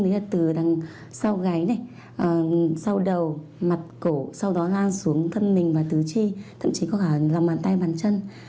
đấy là từ sau gáy sau đầu mặt cổ sau đó lan xuống thân mình và tứ chi thậm chí có cả lòng bàn tay bàn chân